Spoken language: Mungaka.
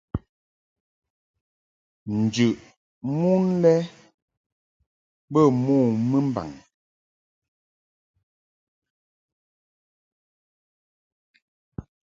Njɨʼ mon lɛ bə mo mɨmbaŋ.